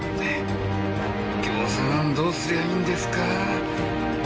右京さんどうすりゃいいんですか？